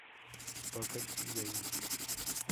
Pocket Gamer.